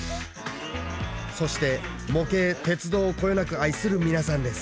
そして模型鉄道をこよなく愛する皆さんです